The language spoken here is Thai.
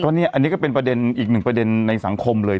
อันนี้ก็เป็นประเด็นอีกหนึ่งประเด็นในสังคมเลย